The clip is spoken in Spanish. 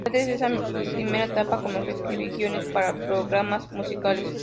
Ya desde esa primera etapa comenzó a escribir guiones para programas musicales.